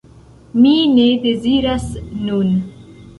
Mi ne deziras nun.